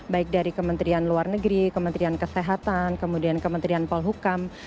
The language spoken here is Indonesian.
baik dari kementerian luar negeri kementerian kesehatan kemudian kementerian polhukam